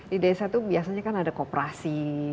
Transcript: di desa itu biasanya kan ada kooperasi